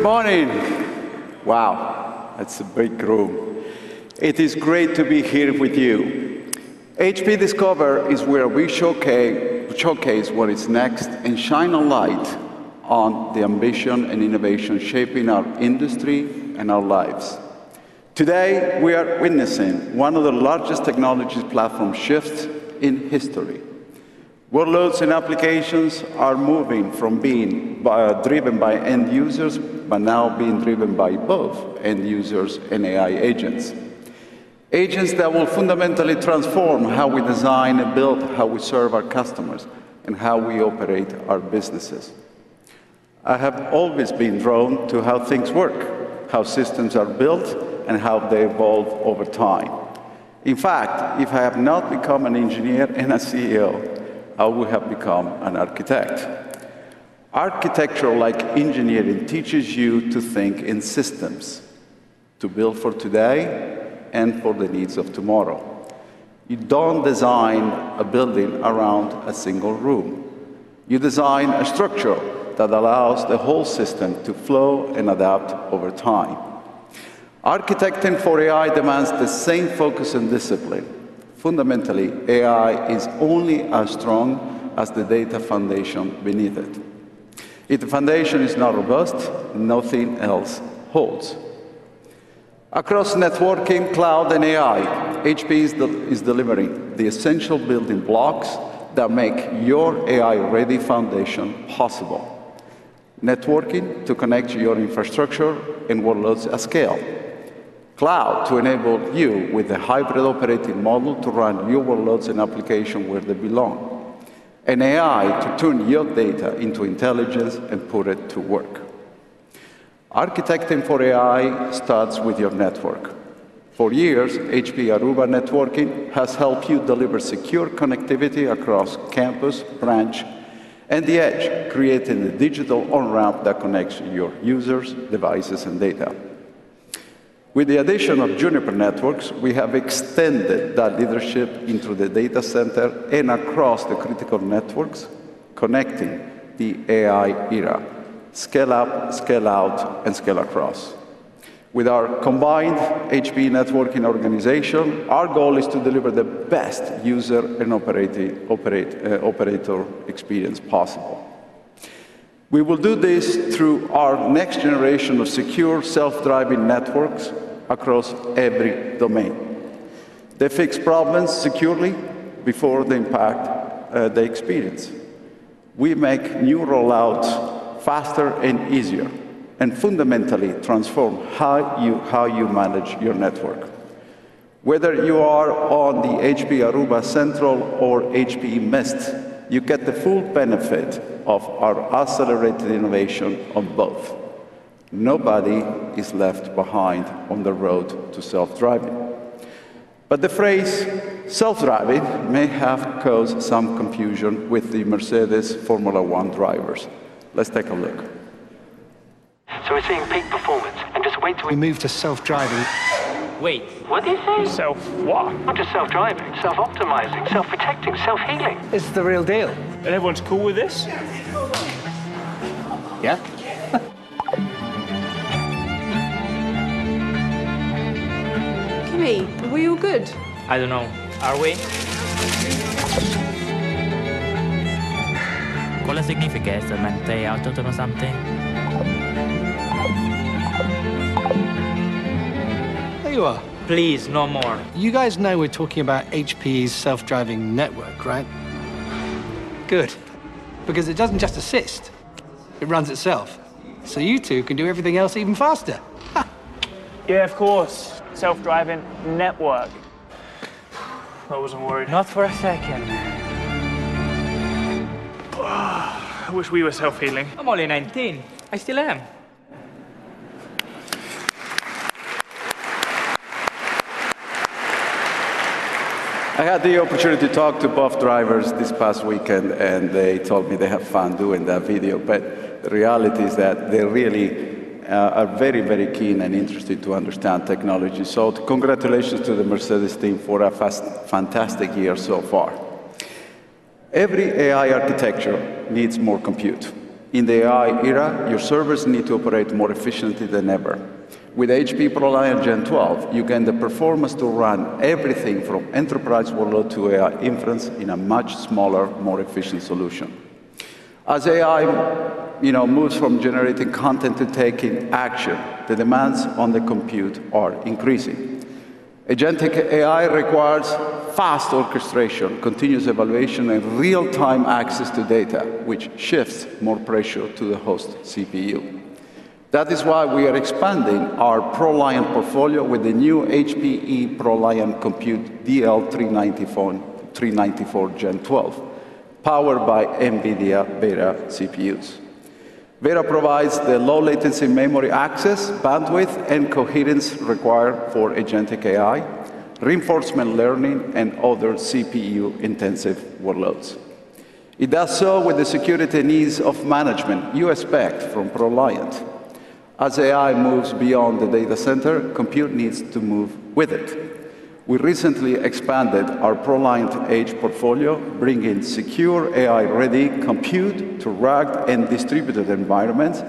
Good morning. Wow, that's a big room. It is great to be here with you. HPE Discover is where we showcase what is next and shine a light on the ambition and innovation shaping our industry and our lives. Today, we are witnessing one of the largest technology platform shifts in history. Workloads and applications are moving from being driven by end users, now being driven by both end users and AI agents. Agents that will fundamentally transform how we design and build, how we serve our customers, and how we operate our businesses. I have always been drawn to how things work, how systems are built, and how they evolve over time. In fact, if I have not become an engineer and a CEO, I would have become an architect. Architecture, like engineering, teaches you to think in systems, to build for today and for the needs of tomorrow. You don't design a building around a single room. You design a structure that allows the whole system to flow and adapt over time. Architecting for AI demands the same focus and discipline. Fundamentally, AI is only as strong as the data foundation beneath it. If the foundation is not robust, nothing else holds. Across networking, cloud, and AI, HPE is delivering the essential building blocks that make your AI-ready foundation possible. Networking to connect your infrastructure and workloads at scale, cloud to enable you with the hybrid operating model to run new workloads and application where they belong, AI to turn your data into intelligence and put it to work. Architecting for AI starts with your network. For years, HPE Aruba Networking has helped you deliver secure connectivity across campus, branch, and the edge, creating a digital on-ramp that connects your users, devices, and data. With the addition of Juniper Networks, we have extended that leadership into the data center and across the critical networks, connecting the AI era. Scale up, scale out, and scale across. With our combined HPE networking organization, our goal is to deliver the best user and operator experience possible. We will do this through our next generation of secure self-driving networks across every domain. They fix problems securely before they impact the experience. We make new rollouts faster and easier fundamentally transform how you manage your network. Whether you are on the HPE Aruba Central or HPE Mist, you get the full benefit of our accelerated innovation on both. Nobody is left behind on the road to self-driving. The phrase self-driving may have caused some confusion with the Mercedes Formula One drivers. Let's take a look. We're seeing peak performance, and just wait till we move to self-driving. Wait. What did he say? Self-what? Oh, to self-driving, self-optimizing, self-protecting, self-healing. This is the real deal. Everyone's cool with this? Yeah. Kimi, are we all good? I don't know. Are we? Something? There you are. Please, no more. You guys know we're talking about HPE's self-driving network, right? Good, because it doesn't just assist, it runs itself, so you two can do everything else even faster. Yeah, of course. Self-driving network. I wasn't worried. Not for a second. I wish we were self-healing. I am only 19. I still am. I had the opportunity to talk to both drivers this past weekend, and they told me they had fun doing that video. The reality is that they really are very, very keen and interested to understand technology. Congratulations to the Mercedes team for a fantastic year so far. Every AI architecture needs more compute. In the AI era, your servers need to operate more efficiently than ever. With HPE ProLiant Gen12, you get the performance to run everything from enterprise workload to AI inference in a much smaller, more efficient solution. As AI moves from generating content to taking action, the demands on the compute are increasing. Agentic AI requires fast orchestration, continuous evaluation, and real-time access to data, which shifts more pressure to the host CPU. That is why we are expanding our ProLiant portfolio with the new HPE ProLiant Compute DL394 Gen12, powered by NVIDIA Vera CPUs. Vera provides the low-latency memory access, bandwidth, and coherence required for agentic AI, reinforcement learning, and other CPU-intensive workloads. It does so with the security and ease of management you expect from ProLiant. As AI moves beyond the data center, compute needs to move with it. We recently expanded our ProLiant Edge portfolio, bringing secure, AI-ready compute to RAG and distributed environments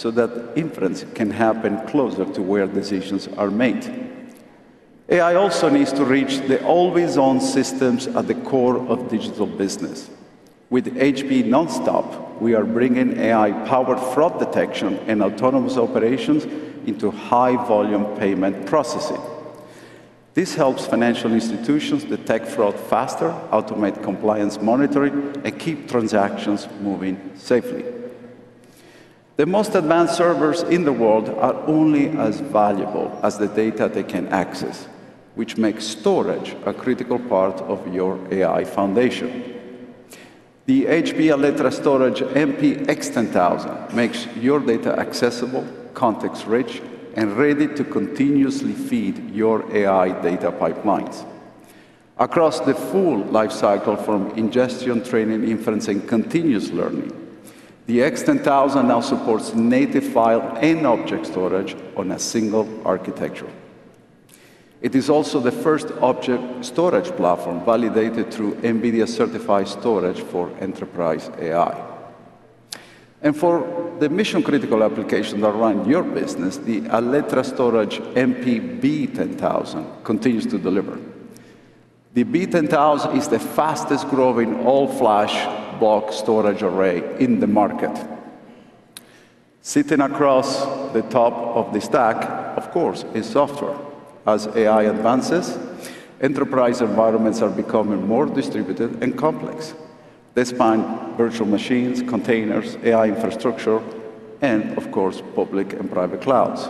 so that inference can happen closer to where decisions are made. AI also needs to reach the always-on systems at the core of digital business. With HPE NonStop, we are bringing AI-powered fraud detection and autonomous operations into high-volume payment processing. This helps financial institutions detect fraud faster, automate compliance monitoring, and keep transactions moving safely. The most advanced servers in the world are only as valuable as the data they can access, which makes storage a critical part of your AI foundation. The HPE Alletra Storage MP X10000 makes your data accessible, context-rich, and ready to continuously feed your AI data pipelines. Across the full lifecycle from ingestion, training, inference, and continuous learning, the X10000 now supports native file and object storage on a single architecture. It is also the first object storage platform validated through NVIDIA-certified storage for enterprise AI. For the mission-critical applications that run your business, the HPE Alletra Storage MP B10000 continues to deliver. The B10000 is the fastest-growing all-flash box storage array in the market. Sitting across the top of the stack, of course, is software. As AI advances, enterprise environments are becoming more distributed and complex. They span virtual machines, containers, AI infrastructure, and of course, public and private clouds.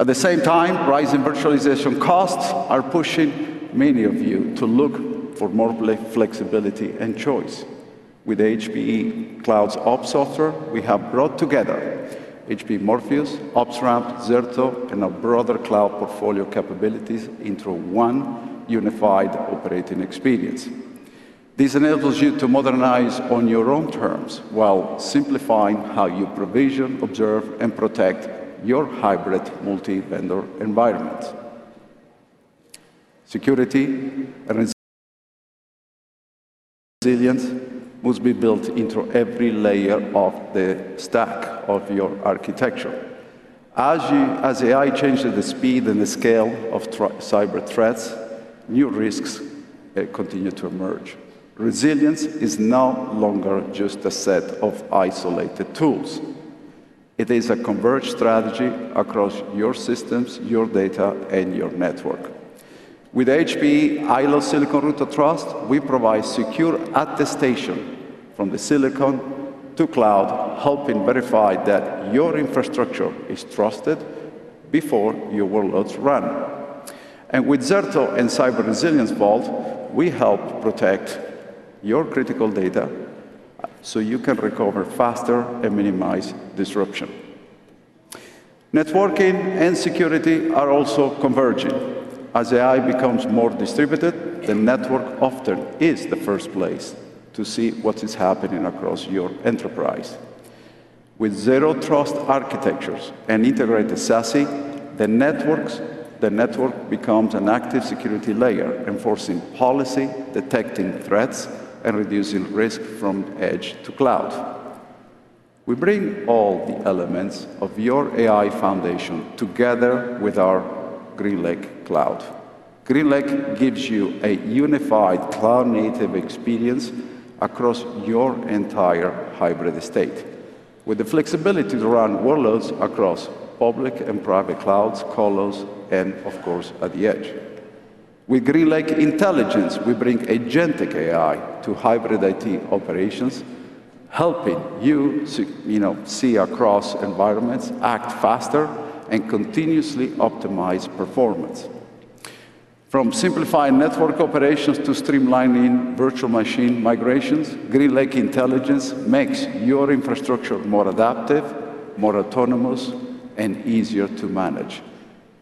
At the same time, rising virtualization costs are pushing many of you to look for more flexibility and choice. With HPE CloudOps software, we have brought together HPE Morpheus, OpsRamp, Zerto, and our broader cloud portfolio capabilities into one unified operating experience. This enables you to modernize on your own terms while simplifying how you provision, observe, and protect your hybrid multi-vendor environments. Security and resilience must be built into every layer of the stack of your architecture. As AI changes the speed and the scale of cyber threats, new risks continue to emerge. Resilience is no longer just a set of isolated tools. It is a converged strategy across your systems, your data, and your network. With HPE iLO Silicon Root of Trust, we provide secure attestation from the silicon to cloud, helping verify that your infrastructure is trusted before your workloads run. With Zerto and Cyber Resilience Vault, we help protect your critical data so you can recover faster and minimize disruption. Networking and security are also converging. As AI becomes more distributed, the network often is the first place to see what is happening across your enterprise. With zero trust architectures and integrated SASE, the network becomes an active security layer, enforcing policy, detecting threats, and reducing risk from edge to cloud. We bring all the elements of your AI foundation together with our GreenLake cloud. GreenLake gives you a unified cloud-native experience across your entire hybrid estate. With the flexibility to run workloads across public and private clouds, colos, and of course, at the edge. With GreenLake Intelligence, we bring agentic AI to hybrid IT operations, helping you see across environments, act faster, and continuously optimize performance. From simplifying network operations to streamlining virtual machine migrations, GreenLake Intelligence makes your infrastructure more adaptive, more autonomous, and easier to manage.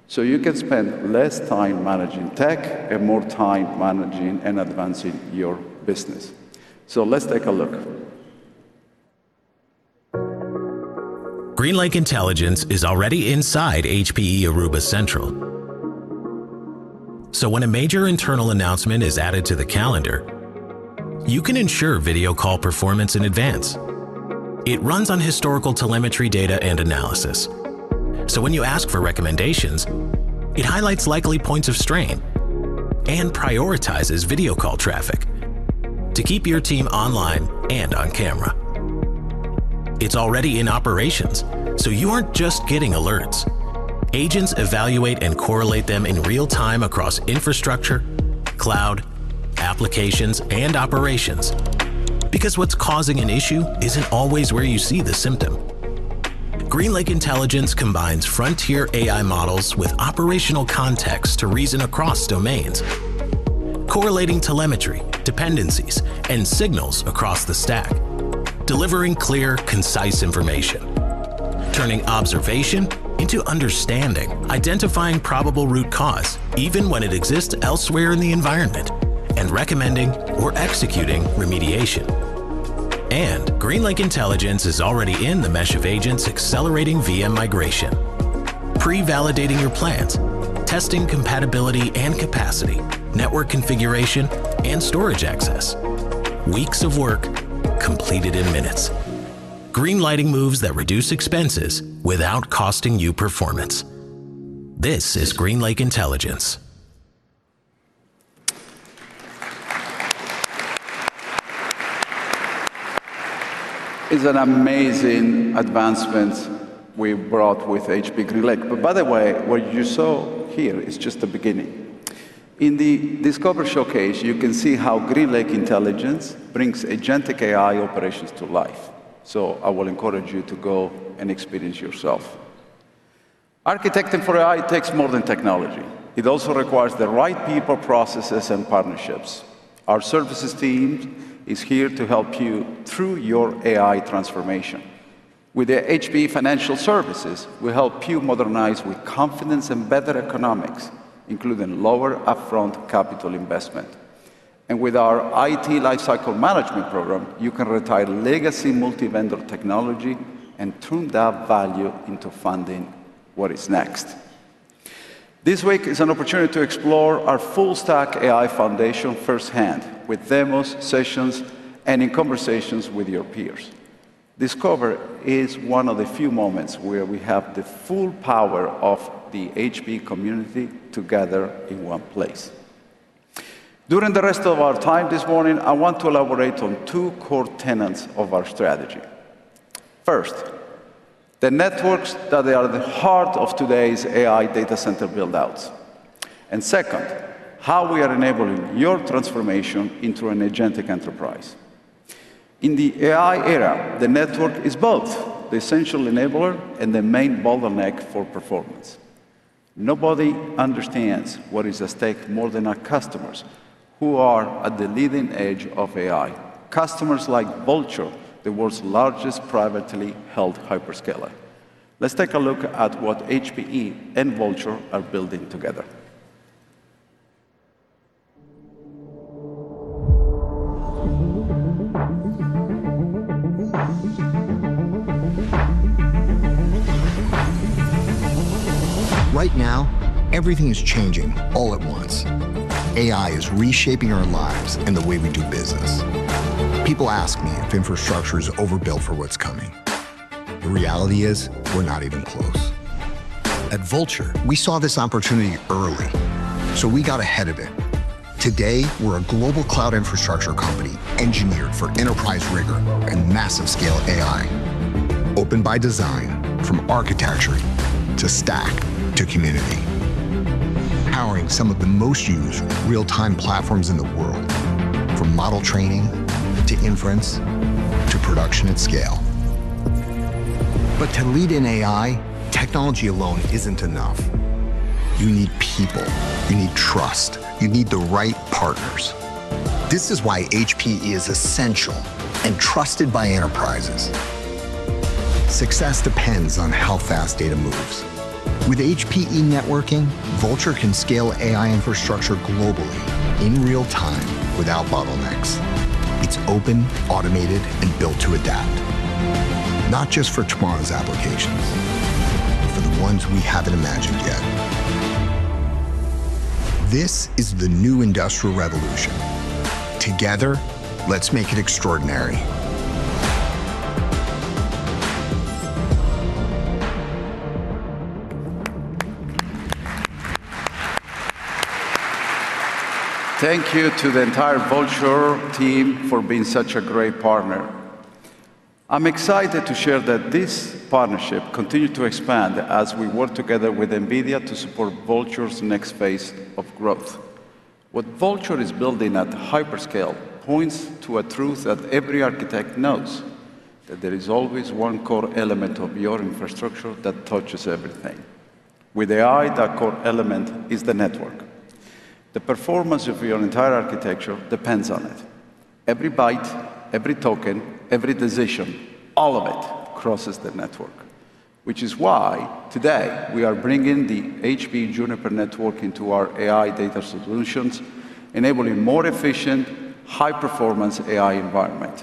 You can spend less time managing tech and more time managing and advancing your business. Let's take a look. GreenLake Intelligence is already inside HPE Aruba Central. When a major internal announcement is added to the calendar, you can ensure video call performance in advance. It runs on historical telemetry data and analysis. When you ask for recommendations, it highlights likely points of strain and prioritizes video call traffic to keep your team online and on camera. It's already in operations, you aren't just getting alerts. Agents evaluate and correlate them in real time across infrastructure, cloud, applications, and operations, because what's causing an issue isn't always where you see the symptom. GreenLake Intelligence combines frontier AI models with operational context to reason across domains, correlating telemetry, dependencies, and signals across the stack, delivering clear, concise information, turning observation into understanding, identifying probable root cause even when it exists elsewhere in the environment, and recommending or executing remediation. GreenLake Intelligence is already in the mesh of agents accelerating VM migration, pre-validating your plans, testing compatibility and capacity, network configuration, and storage access. Weeks of work completed in minutes. Greenlighting moves that reduce expenses without costing you performance. This is GreenLake Intelligence. It's an amazing advancement we've brought with HPE GreenLake. By the way, what you saw here is just the beginning. In the Discover showcase, you can see how GreenLake Intelligence brings agentic AI operations to life. I will encourage you to go and experience yourself. Architecting for AI takes more than technology. It also requires the right people, processes, and partnerships. Our services team is here to help you through your AI transformation. With the HPE Financial Services, we help you modernize with confidence and better economics, including lower upfront capital investment. With our IT Lifecycle Management program, you can retire legacy multi-vendor technology and turn that value into funding what is next. This week is an opportunity to explore our full stack AI foundation firsthand with demos, sessions, and in conversations with your peers. Discover is one of the few moments where we have the full power of the HPE community together in one place. During the rest of our time this morning, I want to elaborate on two core tenets of our strategy. First, the networks that are at the heart of today's AI data center build-outs. Second, how we are enabling your transformation into an agentic enterprise. In the AI era, the network is both the essential enabler and the main bottleneck for performance. Nobody understands what is at stake more than our customers who are at the leading edge of AI. Customers like Vultr, the world's largest privately held hyperscaler. Let's take a look at what HPE and Vultr are building together. Right now, everything is changing all at once. AI is reshaping our lives and the way we do business. People ask me if infrastructure is overbuilt for what's coming. The reality is, we're not even close. At Vultr, we saw this opportunity early, so we got ahead of it. Today, we're a global cloud infrastructure company engineered for enterprise rigor and massive scale AI. Open by design, from architecture to stack to community. Powering some of the most used real-time platforms in the world, from model training to inference, to production at scale. To lead in AI, technology alone isn't enough. You need people. You need trust. You need the right partners. This is why HPE is essential and trusted by enterprises. Success depends on how fast data moves. With HPE networking, Vultr can scale AI infrastructure globally in real time without bottlenecks. It's open, automated, and built to adapt. Not just for tomorrow's applications, for the ones we haven't imagined yet. This is the new industrial revolution. Together, let's make it extraordinary. Thank you to the entire Vultr team for being such a great partner. I'm excited to share that this partnership continues to expand as we work together with NVIDIA to support Vultr's next phase of growth. What Vultr is building at hyperscale points to a truth that every architect knows, that there is always one core element of your infrastructure that touches everything. With AI, that core element is the network. The performance of your entire architecture depends on it. Every byte, every token, every decision, all of it crosses the network. Today, we are bringing the HPE Juniper Networking to our AI data solutions, enabling more efficient, high-performance AI environment.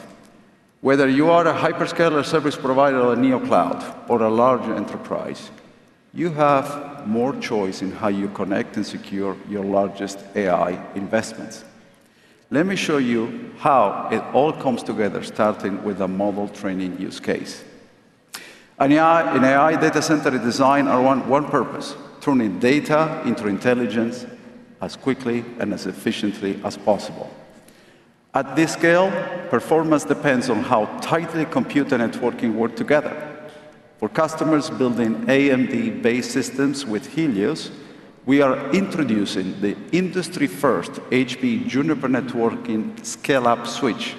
Whether you are a hyperscaler service provider or a neo cloud or a large enterprise, you have more choice in how you connect and secure your largest AI investments. Let me show you how it all comes together starting with a model training use case. An AI and AI data center design are one purpose, turning data into intelligence as quickly and as efficiently as possible. At this scale, performance depends on how tightly compute and networking work together. For customers building AMD-based systems with Helios, we are introducing the industry-first HPE Juniper Networking scale-up switch,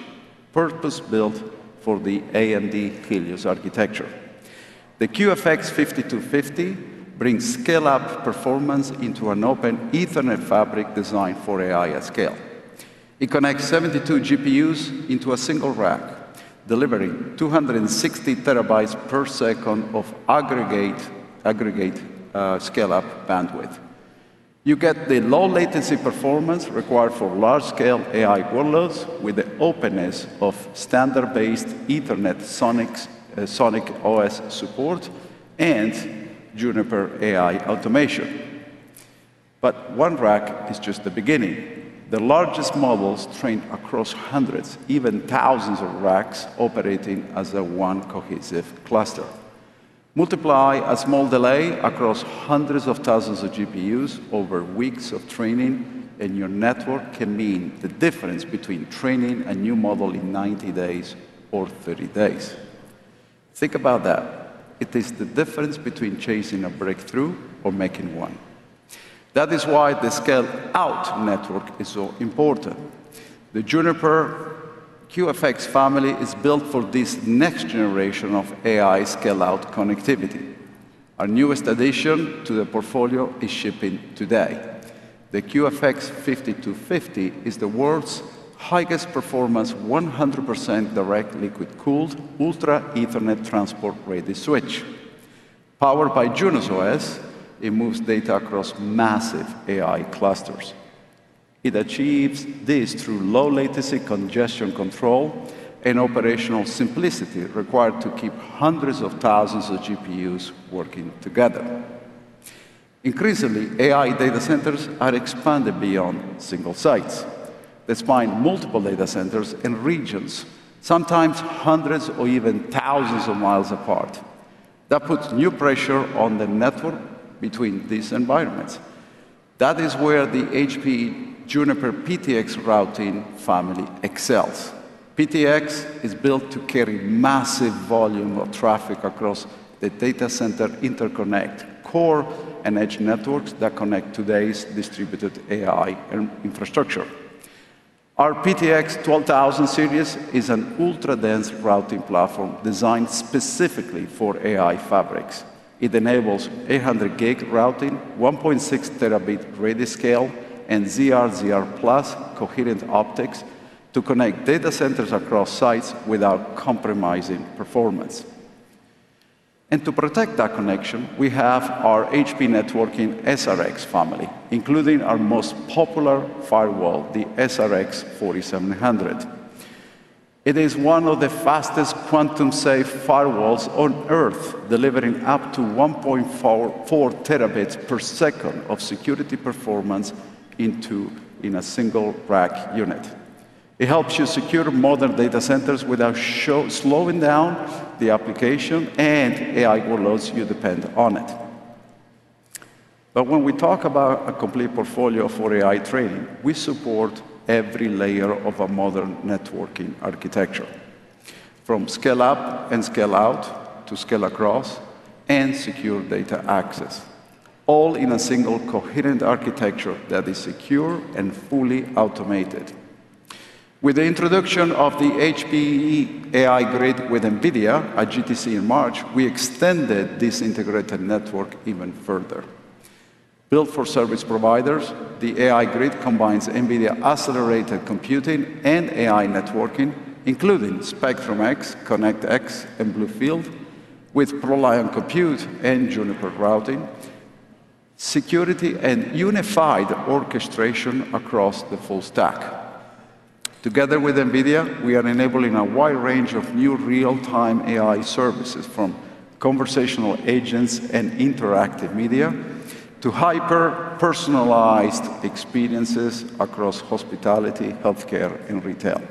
purpose-built for the AMD Helios architecture. The QFX5250 brings scale-up performance into an open Ethernet fabric designed for AI at scale. It connects 72 GPUs into a single rack, delivering 260 TB per second of aggregate scale-up bandwidth. You get the low latency performance required for large-scale AI workloads with the openness of standard-based Ethernet SonicOS support and Juniper AI automation. One rack is just the beginning. The largest models train across hundreds, even thousands, of racks operating as one cohesive cluster. Multiply a small delay across hundreds of thousands of GPUs over weeks of training, and your network can mean the difference between training a new model in 90 days or 30 days. Think about that. It is the difference between chasing a breakthrough or making one. The scale-out network is so important. The Juniper QFX family is built for this next generation of AI scale-out connectivity. Our newest addition to the portfolio is shipping today. The QFX5250 is the world's highest performance, 100% direct liquid-cooled Ultra Ethernet transport-ready switch. Powered by Junos OS, it moves data across massive AI clusters. It achieves this through low latency congestion control and operational simplicity required to keep hundreds of thousands of GPUs working together. Increasingly, AI data centers are expanded beyond single sites. They span multiple data centers and regions, sometimes hundreds or even thousands of miles apart. That puts new pressure on the network between these environments. That is where the HPE Juniper PTX routing family excels. PTX is built to carry massive volume of traffic across the data center interconnect, core, and edge networks that connect today's distributed AI infrastructure. Our PTX12000 series is an ultra-dense routing platform designed specifically for AI fabrics. It enables 800G routing, 1.6Tb ready scale, and ZR/ZR+ coherent optics to connect data centers across sites without compromising performance. To protect that connection, we have our HPE Networking SRX family, including our most popular firewall, the SRX4700. It is one of the fastest quantum-safe firewalls on Earth, delivering up to 1.4 TB per second of security performance in a single rack unit. It helps you secure modern data centers without slowing down the application and AI workloads you depend on it. When we talk about a complete portfolio for AI training, we support every layer of a modern networking architecture, from scale-up and scale-out to scale-across and secure data access, all in a single coherent architecture that is secure and fully automated. With the introduction of the HPE AI Grid with NVIDIA at GTC in March, we extended this integrated network even further. Built for service providers, the AI Grid combines NVIDIA accelerated computing and AI networking, including Spectrum-X, ConnectX, and BlueField with ProLiant compute and Juniper routing, security, and unified orchestration across the full stack. Together with NVIDIA, we are enabling a wide range of new real-time AI services from conversational agents and interactive media to hyper-personalized experiences across hospitality, healthcare, and retail.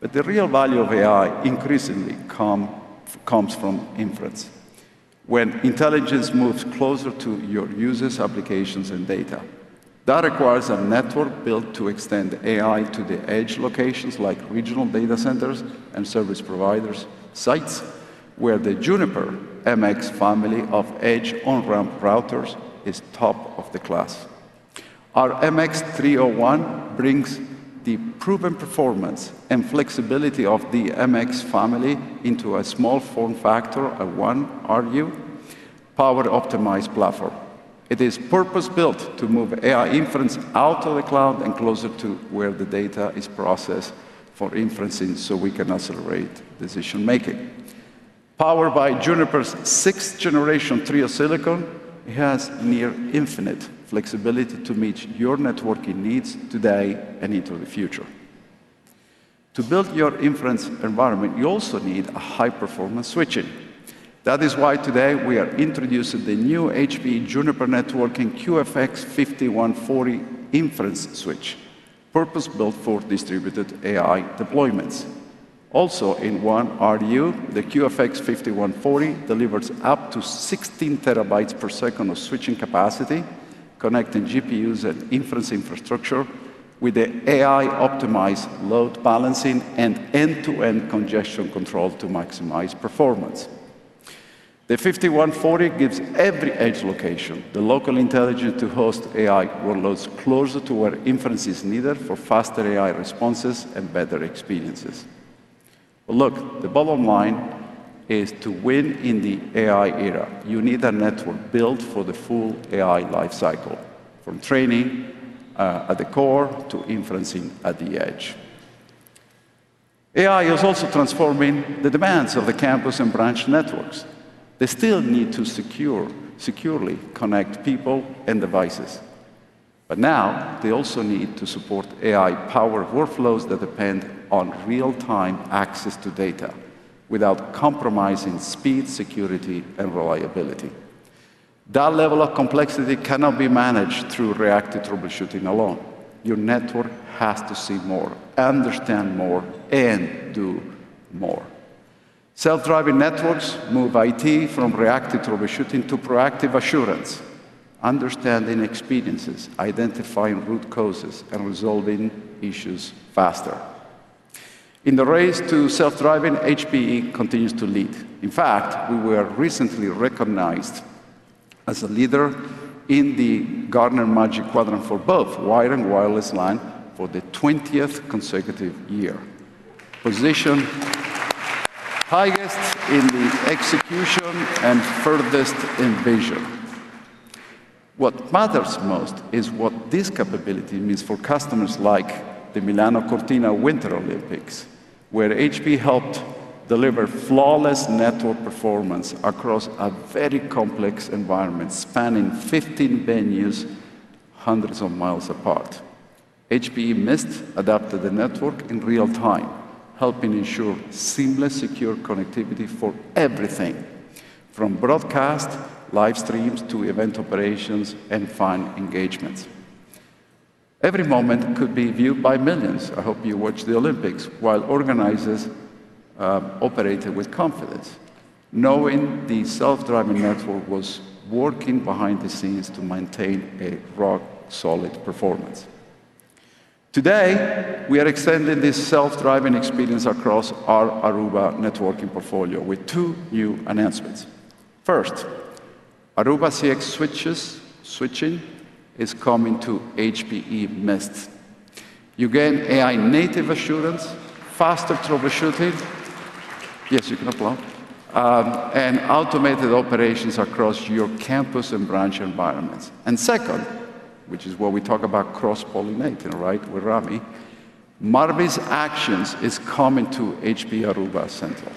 The real value of AI increasingly comes from inference. When intelligence moves closer to your users, applications, and data, that requires a network built to extend AI to the edge locations like regional data centers and service providers' sites, where the Juniper MX family of edge on-ramp routers is top of the class. Our MX301 brings the proven performance and flexibility of the MX family into a small form factor, a 1 RU, power-optimized platform. It is purpose-built to move AI inference out of the cloud and closer to where the data is processed for inferencing so we can accelerate decision-making. Powered by Juniper's 6th generation Trio silicon, it has near infinite flexibility to meet your networking needs today and into the future. To build your inference environment, you also need a high-performance switching. That is why today we are introducing the new HPE Juniper Networking QFX5140 inference switch, purpose-built for distributed AI deployments. Also in 1 RU, the QFX5140 delivers up to 16 TB per second of switching capacity, connecting GPUs and inference infrastructure with the AI-optimized load balancing and end-to-end congestion control to maximize performance. The 5140 gives every edge location the local intelligence to host AI workloads closer to where inference is needed for faster AI responses and better experiences. Look, the bottom line is, to win in the AI era, you need a network built for the full AI life cycle, from training at the core to inferencing at the edge. AI is also transforming the demands of the campus and branch networks. They still need to securely connect people and devices. Now they also need to support AI-powered workflows that depend on real-time access to data without compromising speed, security, and reliability. That level of complexity cannot be managed through reactive troubleshooting alone. Your network has to see more, understand more, and do more. Self-driving networks move IT from reactive troubleshooting to proactive assurance, understanding experiences, identifying root causes, and resolving issues faster. In the race to self-driving, HPE continues to lead. In fact, we were recently recognized as a leader in the Gartner Magic Quadrant for both wired and wireless LAN for the 20th consecutive year. Positioned highest in the execution and furthest in vision. What matters most is what this capability means for customers like the Milano Cortina Winter Olympics, where HPE helped deliver flawless network performance across a very complex environment spanning 15 venues hundreds of miles apart. HPE Mist adapted the network in real time, helping ensure seamless, secure connectivity for everything from broadcast, live streams, to event operations and fan engagements. Every moment could be viewed by millions, I hope you watched the Olympics, while organizers operated with confidence, knowing the self-driving network was working behind the scenes to maintain a rock-solid performance. Today, we are extending this self-driving experience across our Aruba Networking portfolio with two new announcements. First, Aruba CX switching is coming to HPE Mist. You gain AI-native assurance faster troubleshooting, yes, you can applaud, and automated operations across your campus and branch environments. Second, which is where we talk about cross-pollinating with Rami, Marvis Actions is coming to HPE Aruba Central.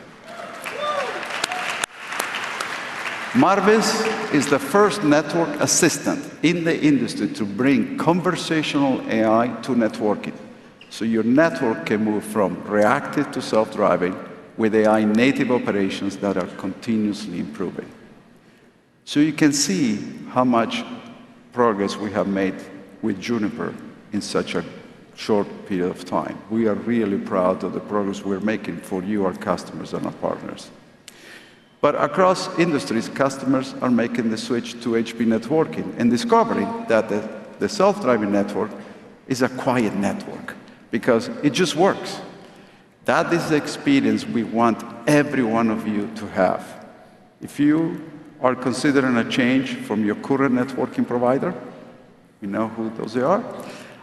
Marvis is the first network assistant in the industry to bring conversational AI to networking. Your network can move from reactive to self-driving with AI-native operations that are continuously improving. You can see how much progress we have made with Juniper in such a short period of time. We are really proud of the progress we're making for you, our customers, and our partners. Across industries, customers are making the switch to HPE Networking and discovering that the self-driving network is a quiet network because it just works. That is the experience we want every one of you to have. If you are considering a change from your current networking provider, you know who those are,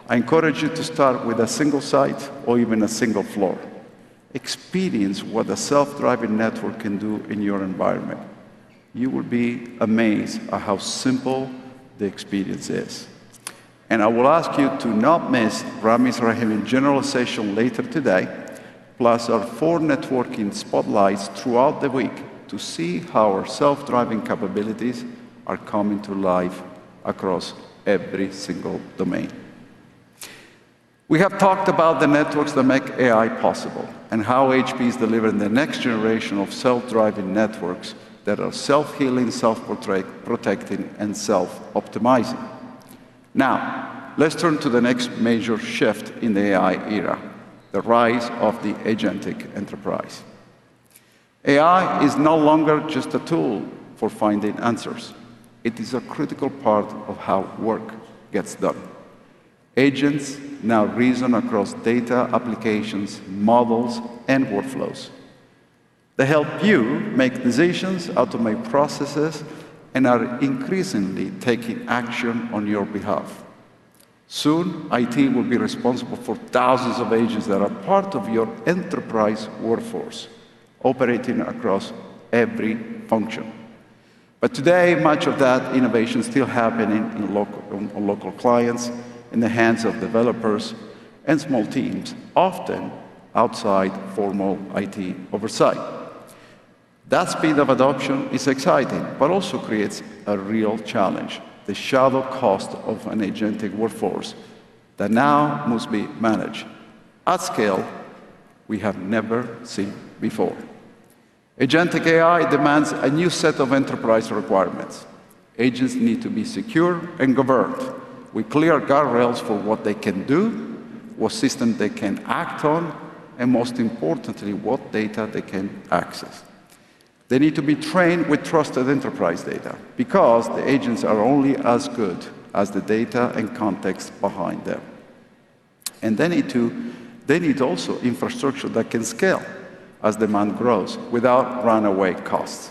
I encourage you to start with a single site or even a single floor. Experience what a self-driving network can do in your environment. You will be amazed at how simple the experience is. I will ask you to not miss Rami Rahim's general session later today, plus our four networking spotlights throughout the week to see how our self-driving capabilities are coming to life across every single domain. We have talked about the networks that make AI possible and how HPE is delivering the next generation of self-driving networks that are self-healing, self-protecting, and self-optimizing. Now, let's turn to the next major shift in the AI era, the rise of the agentic enterprise. AI is no longer just a tool for finding answers. It is a critical part of how work gets done. Agents now reason across data, applications, models, and workflows. They help you make decisions, automate processes, and are increasingly taking action on your behalf. Soon, IT will be responsible for thousands of agents that are part of your enterprise workforce, operating across every function. Today, much of that innovation is still happening on local clients in the hands of developers and small teams, often outside formal IT oversight. That speed of adoption is exciting, but also creates a real challenge, the shadow cost of an agentic workforce that now must be managed at scale we have never seen before. Agentic AI demands a new set of enterprise requirements. Agents need to be secure and governed, with clear guardrails for what they can do, what system they can act on, and most importantly, what data they can access. They need to be trained with trusted enterprise data because the agents are only as good as the data and context behind them. They need also infrastructure that can scale as demand grows without runaway costs.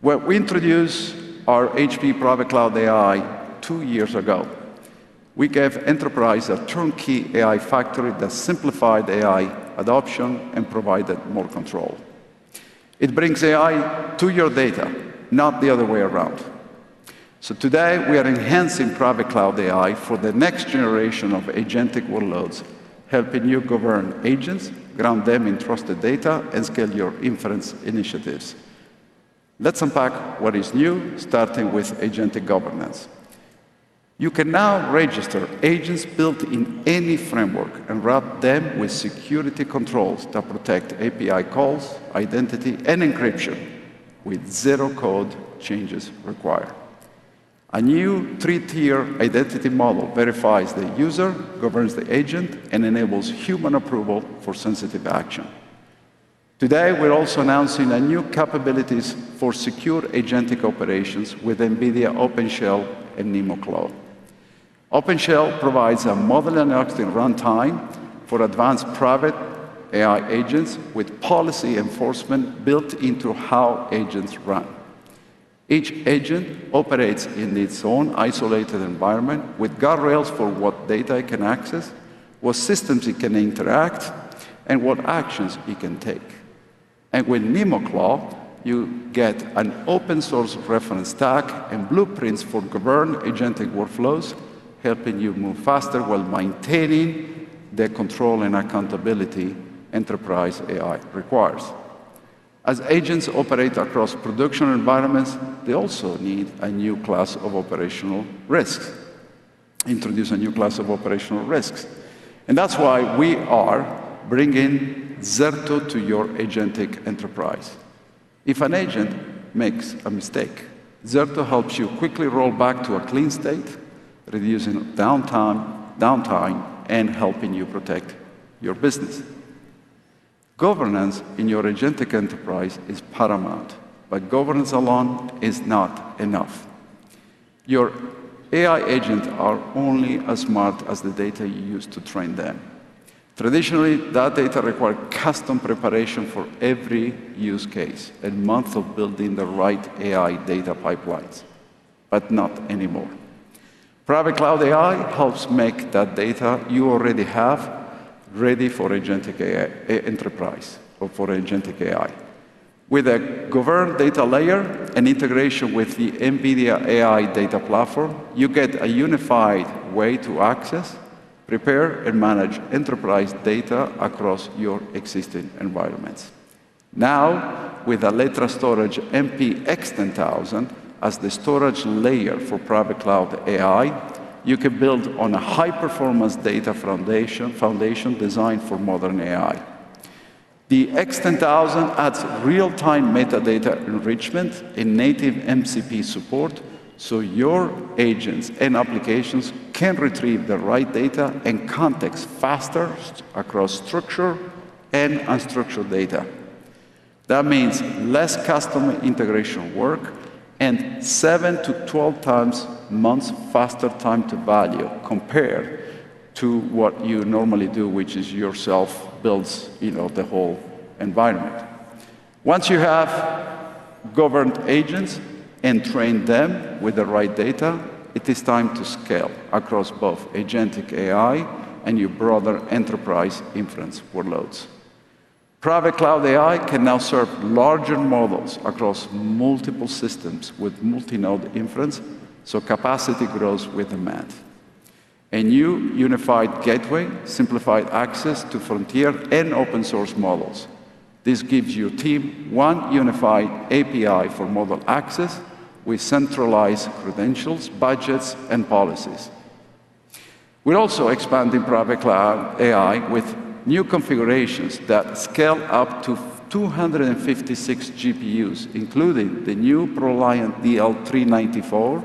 When we introduced our HPE Private Cloud AI two years ago, we gave enterprise a turnkey AI factory that simplified AI adoption and provided more control. It brings AI to your data, not the other way around. Today, we are enhancing HPE Private Cloud AI for the next generation of agentic workloads, helping you govern agents, ground them in trusted data, and scale your inference initiatives. Let's unpack what is new, starting with agentic governance. You can now register agents built in any framework and wrap them with security controls that protect API calls, identity, and encryption with zero code changes required. A new three-tier identity model verifies the user, governs the agent, and enables human approval for sensitive action. Today, we are also announcing new capabilities for secure agentic operations with NVIDIA OpenShell and NeMo Cloud. OpenShell provides a model and runtime for advanced private AI agents with policy enforcement built into how agents run. Each agent operates in its own isolated environment with guardrails for what data it can access, what systems it can interact, and what actions it can take. With NeMo Cloud, you get an open-source reference stack and blueprints for governed agentic workflows, helping you move faster while maintaining the control and accountability enterprise AI requires. As agents operate across production environments, they also introduce a new class of operational risks. That's why we are bringing Zerto to your agentic enterprise. If an agent makes a mistake, Zerto helps you quickly roll back to a clean state, reducing downtime, and helping you protect your business. Governance in your agentic enterprise is paramount, governance alone is not enough. Your AI agents are only as smart as the data you use to train them. Traditionally, that data required custom preparation for every use case and months of building the right AI data pipelines, not anymore. Private Cloud AI helps make that data you already have ready for agentic enterprise or for agentic AI. With a governed data layer and integration with the NVIDIA AI Data Platform, you get a unified way to access, prepare, and manage enterprise data across your existing environments. Now, with Alletra Storage MP X10000 as the storage layer for Private Cloud AI, you can build on a high-performance data foundation designed for modern AI. The X10000 adds real-time metadata enrichment and native MCP support so your agents and applications can retrieve the right data and context faster across structured and unstructured data. That means less custom integration work and 7-12 times months faster time to value compared to what you normally do, which is yourself builds the whole environment. Once you have governed agents and trained them with the right data, it is time to scale across both agentic AI and your broader enterprise inference workloads. Private Cloud AI can now serve larger models across multiple systems with multi-node inference, so capacity grows with the math. A new unified gateway simplified access to frontier and open-source models. This gives your team one unified API for model access with centralized credentials, budgets, and policies. We're also expanding Private Cloud AI with new configurations that scale up to 256 GPUs, including the new ProLiant DL394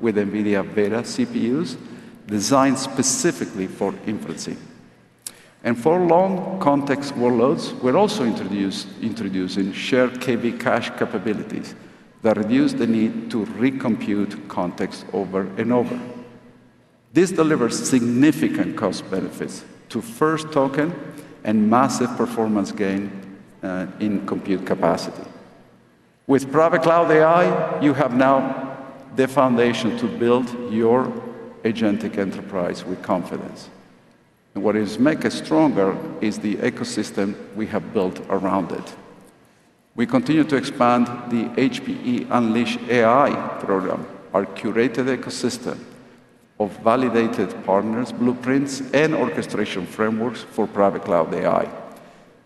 with NVIDIA Vera CPUs designed specifically for inferencing. For long context workloads, we're also introducing shared KV cache capabilities that reduce the need to recompute context over and over. This delivers significant cost benefits to first token and massive performance gain in compute capacity. With Private Cloud AI, you have now the foundation to build your agentic enterprise with confidence. What makes us stronger is the ecosystem we have built around it. We continue to expand the HPE Unleash AI program, our curated ecosystem of validated partners, blueprints, and orchestration frameworks for Private Cloud AI.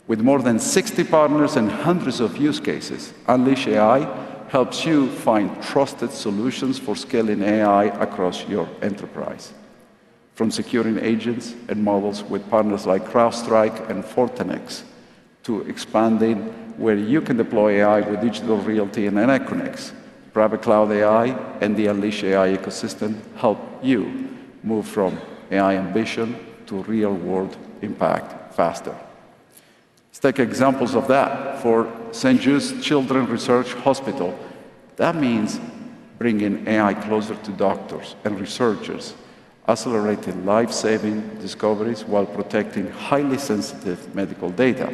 With more than 60 partners and hundreds of use cases, Unleash AI helps you find trusted solutions for scaling AI across your enterprise. From securing agents and models with partners like CrowdStrike and Fortinet to expanding where you can deploy AI with Digital Realty and Equinix. Private Cloud AI and the Unleash AI ecosystem help you move from AI ambition to real-world impact faster. Let's take examples of that. For St. Jude Children's Research Hospital, that means bringing AI closer to doctors and researchers, accelerating life-saving discoveries while protecting highly sensitive medical data.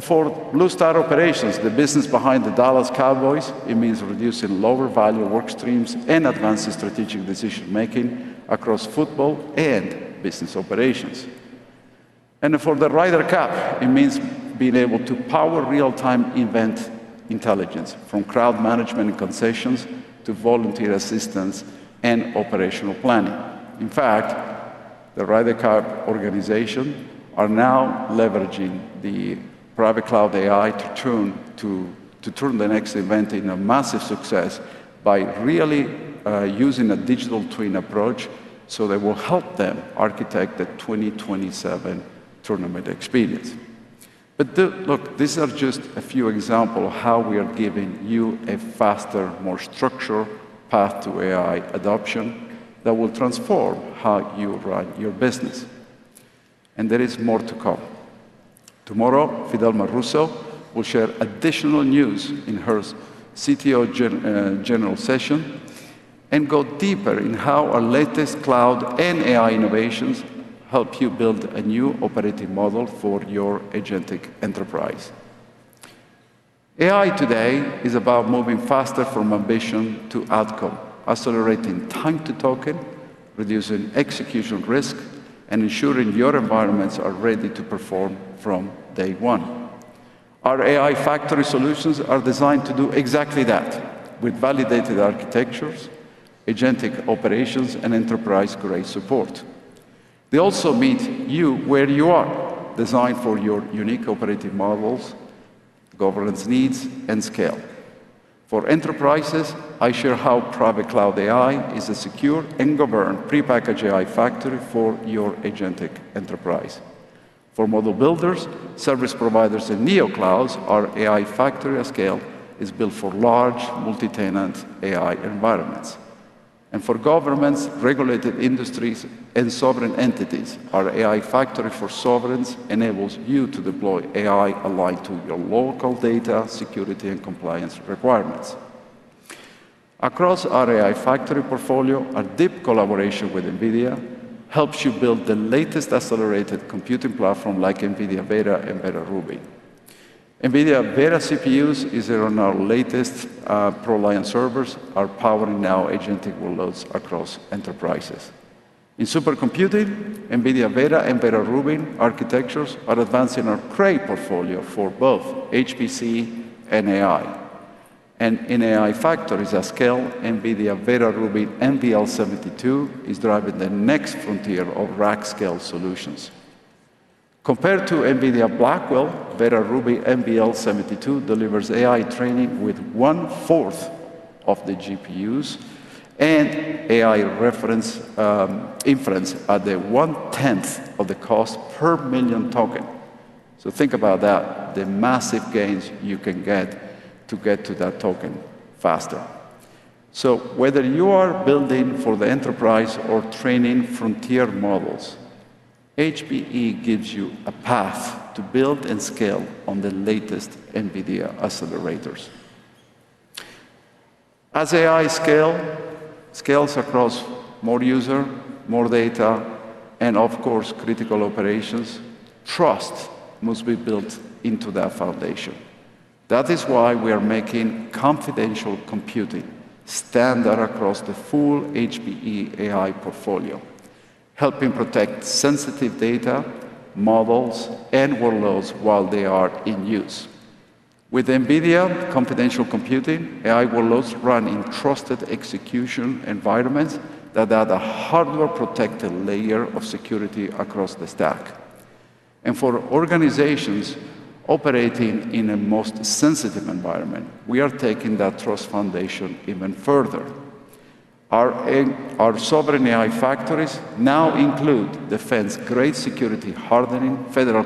For Blue Star Operations, the business behind the Dallas Cowboys, it means reducing lower-value work streams and advancing strategic decision-making across football and business operations. For the Ryder Cup, it means being able to power real-time event intelligence, from crowd management and concessions to volunteer assistance and operational planning. In fact, the Ryder Cup organization are now leveraging the Private Cloud AI to turn the next event in a massive success by really using a digital twin approach, so they will help them architect the 2027 tournament experience. Look, these are just a few example of how we are giving you a faster, more structured path to AI adoption that will transform how you run your business. There is more to come. Tomorrow, Fidelma Russo will share additional news in her CTO general session and go deeper in how our latest cloud and AI innovations help you build a new operating model for your agentic enterprise. AI today is about moving faster from ambition to outcome, accelerating time to token, reducing execution risk, and ensuring your environments are ready to perform from day one. Our AI factory solutions are designed to do exactly that with validated architectures, agentic operations, and enterprise-grade support. They also meet you where you are, designed for your unique operating models, governance needs, and scale. For enterprises, I share how HPE Private Cloud AI is a secure and governed prepackaged AI factory for your agentic enterprise. For model builders, service providers, and neo clouds, our AI factory at scale is built for large multi-tenant AI environments. For governments, regulated industries, and sovereign entities, our AI factory for sovereigns enables you to deploy AI aligned to your local data security and compliance requirements. Across our AI factory portfolio, our deep collaboration with NVIDIA helps you build the latest accelerated computing platform like NVIDIA Vera and Vera Rubin. NVIDIA Vera CPUs is on our latest ProLiant servers, are powering now agentic workloads across enterprises. In supercomputing, NVIDIA Vera and Vera Rubin architectures are advancing our Cray portfolio for both HPC and AI. In AI factories at scale, NVIDIA Vera Rubin NVL72 is driving the next frontier of rack-scale solutions. Compared to NVIDIA Blackwell, Vera Rubin NVL72 delivers AI training with one-fourth of the GPUs and AI inference at the one-tenth of the cost per million token. Think about that, the massive gains you can get to get to that token faster. Whether you are building for the enterprise or training frontier models, HPE gives you a path to build and scale on the latest NVIDIA accelerators. As AI scales across more user, more data, and of course, critical operations, trust must be built into that foundation. That is why we are making confidential computing standard across the full HPE AI portfolio, helping protect sensitive data, models, and workloads while they are in use. With NVIDIA Confidential Computing, AI workloads run in trusted execution environments that add a hardware-protected layer of security across the stack. For organizations operating in a most sensitive environment, we are taking that trust foundation even further. Our sovereign AI factories now include defense-grade security hardening, federal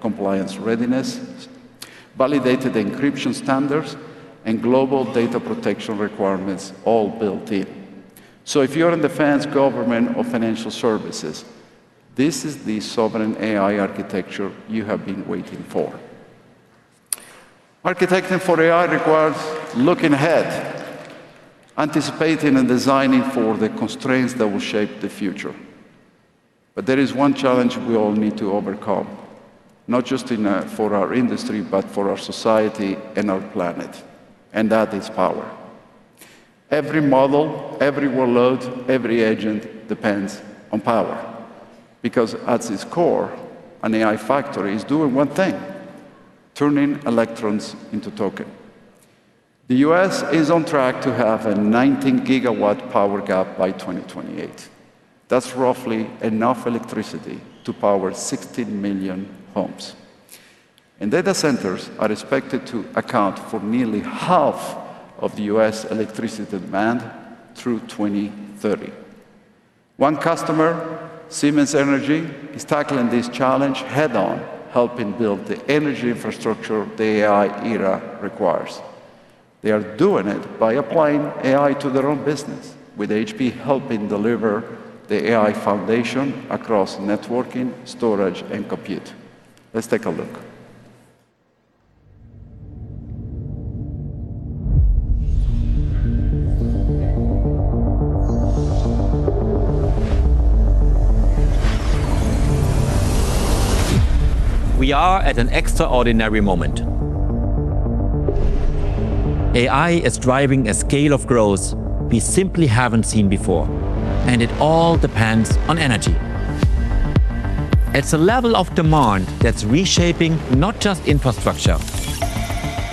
compliance readiness, validated encryption standards, and global data protection requirements all built in. If you're in defense, government, or financial services, this is the sovereign AI architecture you have been waiting for. Architecting for AI requires looking ahead, anticipating and designing for the constraints that will shape the future. There is one challenge we all need to overcome, not just for our industry, but for our society and our planet, and that is power. Every model, every workload, every agent depends on power. Because at its core, an AI factory is doing one thing, turning electrons into token. The U.S. is on track to have a 19 GW power gap by 2028. That's roughly enough electricity to power 60 million homes. Data centers are expected to account for nearly half of the U.S. electricity demand through 2030. One customer, Siemens Energy, is tackling this challenge head-on, helping build the energy infrastructure the AI era requires. They are doing it by applying AI to their own business with HPE helping deliver the AI foundation across networking, storage, and compute. Let's take a look. We are at an extraordinary moment. AI is driving a scale of growth we simply haven't seen before, and it all depends on energy. It's a level of demand that's reshaping not just infrastructure,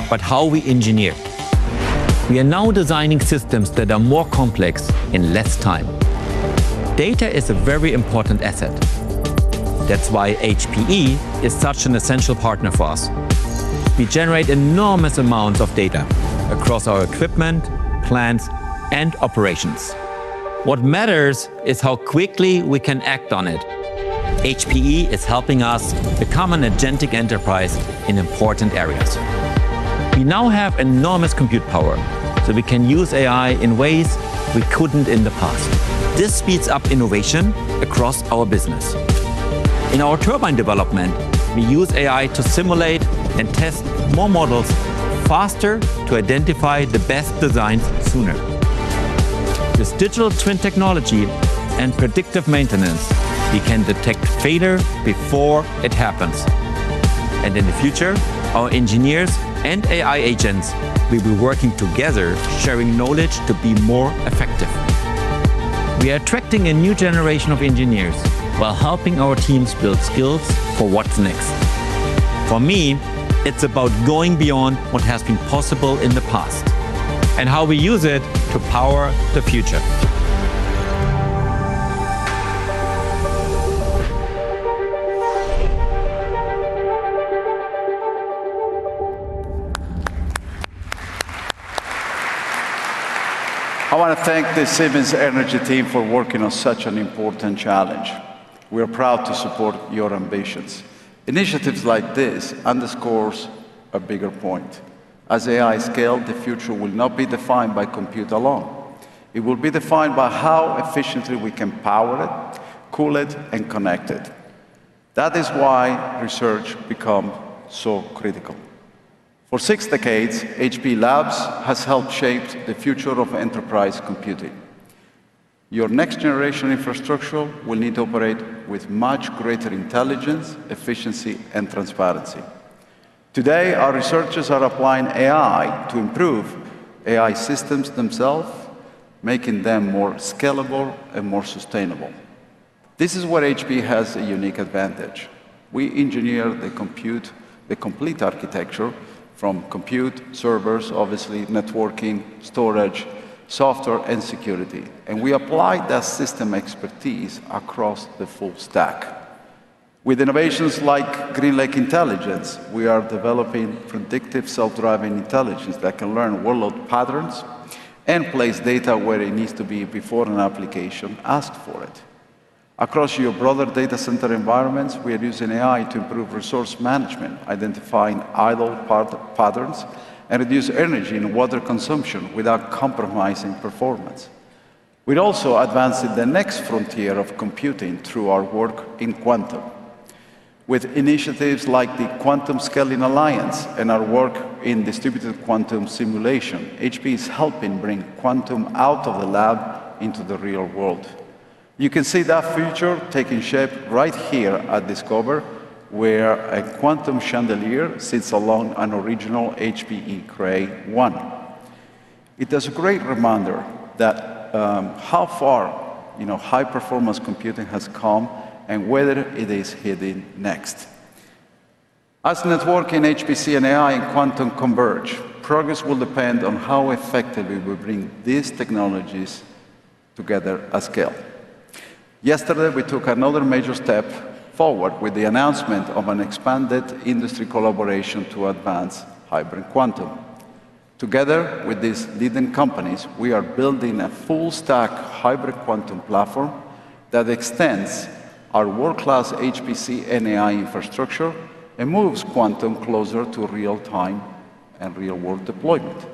but how we engineer. We are now designing systems that are more complex in less time. Data is a very important asset. That's why HPE is such an essential partner for us. We generate enormous amounts of data across our equipment, plants, and operations. What matters is how quickly we can act on it. HPE is helping us become an agentic enterprise in important areas. We now have enormous compute power, so we can use AI in ways we couldn't in the past. This speeds up innovation across our business. In our turbine development, we use AI to simulate and test more models faster to identify the best designs sooner. With digital twin technology and predictive maintenance, we can detect failure before it happens. In the future, our engineers and AI agents will be working together, sharing knowledge to be more effective. We are attracting a new generation of engineers while helping our teams build skills for what's next. For me, it's about going beyond what has been possible in the past and how we use it to power the future. I want to thank the Siemens Energy team for working on such an important challenge. We are proud to support your ambitions. Initiatives like this underscores a bigger point. As AI scale, the future will not be defined by compute alone. It will be defined by how efficiently we can power it, cool it, and connect it. That is why research become so critical. For six decades, HPE Labs has helped shape the future of enterprise computing. Your next-generation infrastructure will need to operate with much greater intelligence, efficiency, and transparency. Today, our researchers are applying AI to improve AI systems themselves, making them more scalable and more sustainable. This is where HPE has a unique advantage. We engineer the complete architecture from compute, servers, obviously networking, storage, software, and security. We apply that system expertise across the full stack. With innovations like GreenLake Intelligence, we are developing predictive self-driving intelligence that can learn workload patterns and place data where it needs to be before an application asks for it. Across your broader data center environments, we are using AI to improve resource management, identifying idle patterns, and reduce energy and water consumption without compromising performance. We're also advancing the next frontier of computing through our work in quantum. With initiatives like the Quantum Scaling Alliance and our work in distributed quantum simulation, HPE is helping bring quantum out of the lab into the real world. You can see that future taking shape right here at Discover, where a quantum chandelier sits along an original HPE Cray-1. It is a great reminder that how far high-performance computing has come and where it is heading next. As networking, HPC and AI, and quantum converge, progress will depend on how effectively we bring these technologies together at scale. Yesterday, we took another major step forward with the announcement of an expanded industry collaboration to advance hybrid quantum. Together with these leading companies, we are building a full-stack hybrid quantum platform that extends our world-class HPC and AI infrastructure and moves quantum closer to real-time and real-world deployment.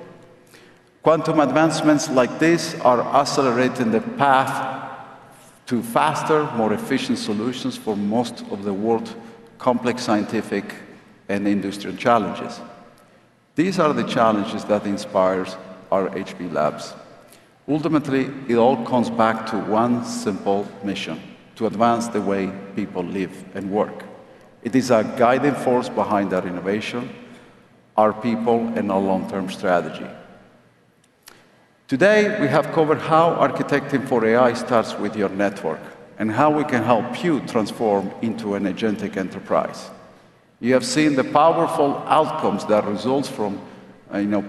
Quantum advancements like this are accelerating the path to faster, more efficient solutions for most of the world's complex scientific and industrial challenges. These are the challenges that inspires our HPE Labs. Ultimately, it all comes back to one simple mission: to advance the way people live and work. It is a guiding force behind our innovation, our people, and our long-term strategy. Today, we have covered how architecting for AI starts with your network and how we can help you transform into an agentic enterprise. You have seen the powerful outcomes that results from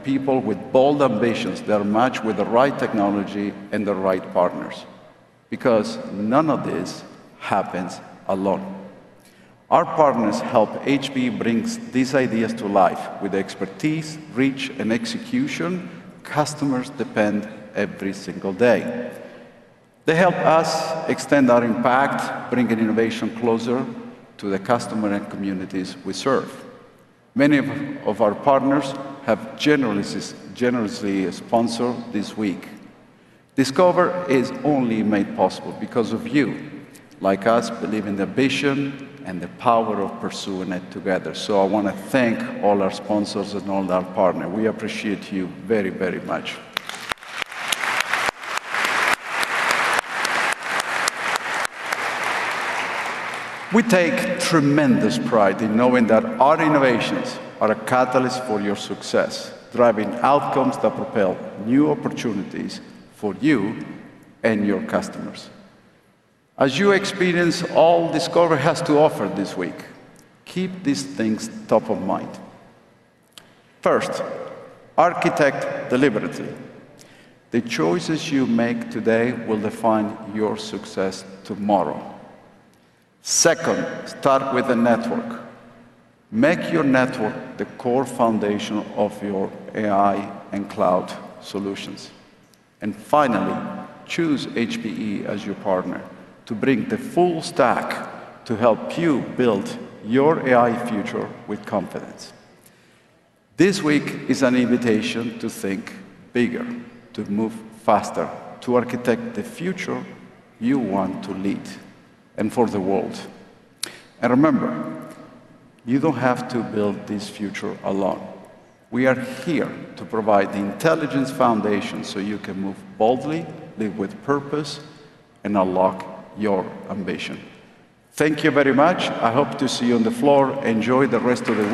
people with bold ambitions that are matched with the right technology and the right partners. None of this happens alone. Our partners help HPE bring these ideas to life with the expertise, reach, and execution customers depend every single day. They help us extend our impact, bringing innovation closer to the customer and communities we serve. Many of our partners have generously sponsored this week. Discover is only made possible because of you. Like us, believe in the ambition and the power of pursuing it together. I want to thank all our sponsors and all our partners. We appreciate you very much. We take tremendous pride in knowing that our innovations are a catalyst for your success, driving outcomes that propel new opportunities for you and your customers. As you experience all Discover has to offer this week, keep these things top of mind. First, architect deliberately. The choices you make today will define your success tomorrow. Second, start with the network. Make your network the core foundation of your AI and cloud solutions. Finally, choose HPE as your partner to bring the full stack to help you build your AI future with confidence. This week is an invitation to think bigger, to move faster, to architect the future you want to lead and for the world. Remember, you don't have to build this future alone. We are here to provide the intelligence foundation so you can move boldly, live with purpose, and unlock your ambition. Thank you very much. I hope to see you on the floor. Enjoy the rest of the week.